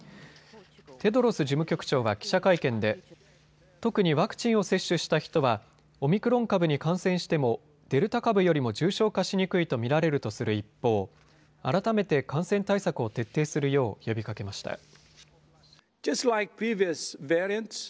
テドロス事務局長は記者会見で特にワクチンを接種した人はオミクロン株に感染してもデルタ株よりも重症化しにくいと見られるとする一方、改めて感染対策を徹底するよう呼びかけました。